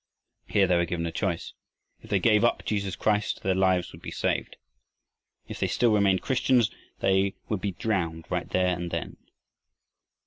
Here they were given a choice. If they gave up Jesus Christ, their lives would be saved. If they still remained Christians, they would be drowned right there and then.